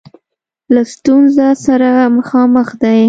له ستونزه سره مخامخ دی.